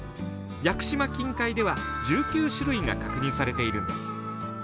屋久島近海では１９種類が確認されているんです。